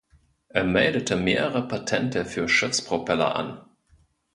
Er meldete mehrere Patente für Schiffspropeller an.